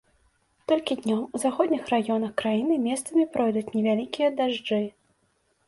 Толькі днём у заходніх раёнах краіны месцамі пройдуць невялікія дажджы.